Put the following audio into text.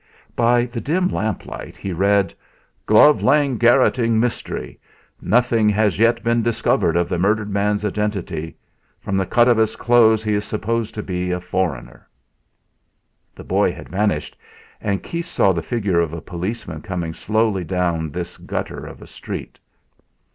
By the dim lamplight he read: "Glove Lane garrotting mystery. Nothing has yet been discovered of the murdered man's identity; from the cut of his clothes he is supposed to be a foreigner." The boy had vanished, and Keith saw the figure of a policeman coming slowly down this gutter of a street.